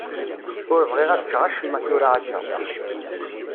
Ur bɣiɣ ad ččeɣ acemma tura akka.